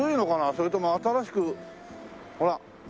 それとも新しくほら蔵が。